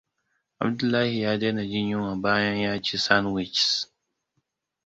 Abdullahia ya daina jin yunwa bayan ya ci sandwiches.